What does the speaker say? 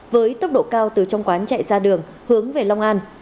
với tốc độ cao từ trong quán chạy ra đường hướng về long an